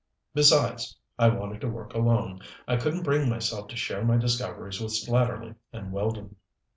Besides, I wanted to work alone. I couldn't bring myself to share my discoveries with Slatterly and Weldon.